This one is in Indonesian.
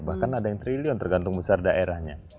bahkan ada yang triliun tergantung besar daerahnya